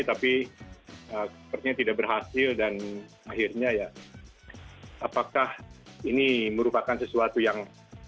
tapi sepertinya tidak berhasil dan akhirnya ya apakah ini merupakan sesuatu yang